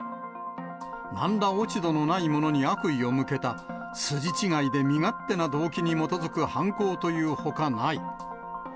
なんら落ち度のない者に悪意を向けた、筋違いで身勝手な動機に基づく犯行というほかない。